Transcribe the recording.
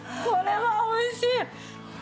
これはおいしい！